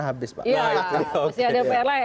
habis mbak iya masih ada pr lain